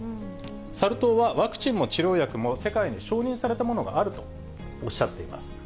サル痘は、ワクチンも治療薬も世界で承認されたものがあるとおっしゃっています。